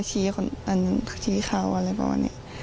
ก็เครียดบ้างเลยครับเพราะคนไร้ชี้เขาอะไรประมาณนี้